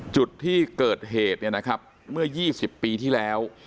จุดที่เกิดเหตุเนี่ยนะครับเมื่อ๒๐ปีที่แล้ว